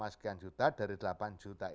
dua sekian juta dari delapan juta itu